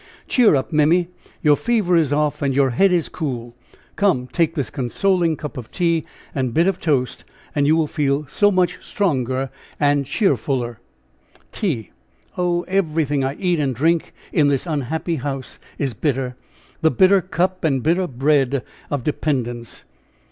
cheer up, Mimmy! Your fever is off and your head is cool! Come, take this consoling cup of tea and bit of toast, and you will feel so much stronger and cheerfuler." "Tea! Oh! everything I eat and drink in this unhappy house is bitter the bitter cup and bitter bread of dependence!"